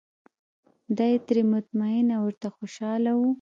دای ترې مطمین او ورته خوشاله و.